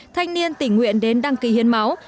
thanh niên tỉnh nguyện đến đăng ký hiến máu